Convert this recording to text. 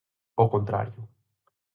Ao contrario.